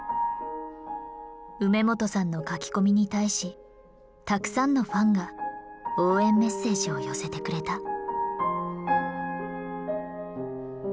梅元さんの書き込みに対したくさんのファンが応援メッセージを寄せてくれた。